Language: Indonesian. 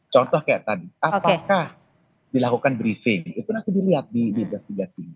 contoh kayak tadi apakah dilakukan briefing itu nanti dilihat di investigasi